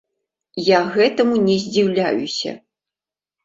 Я гэтаму не здзіўляюся.